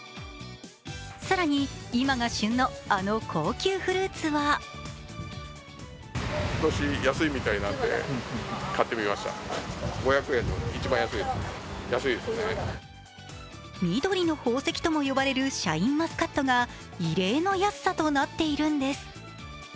更に、今が旬のあの高級フルーツは緑の宝石とも呼ばれるシャインマスカットが異例の安さとなっているんです。